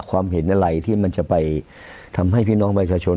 ความเห็นอะไรที่มันจะไปทำให้พี่น้องประชาชน